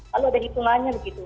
lalu ada hitungannya begitu